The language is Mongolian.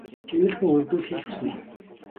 Тэнэмэл хүн өрөвдүүлэхийг л хүснэ ээ.